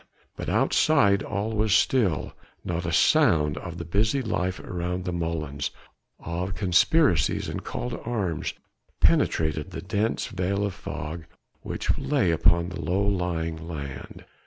But outside all was still: not a sound of the busy life around the molens, of conspiracies and call to arms, penetrated the dense veil of fog which lay upon the low lying land.